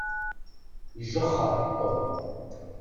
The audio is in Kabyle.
Ijexxeṛ Tom.